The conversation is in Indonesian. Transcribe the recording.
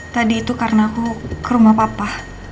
tadi itu karena aku ke rumah papa